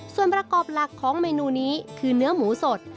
ส่วนประกอบหลักของเมนูนี้คือเนื้อหมูสด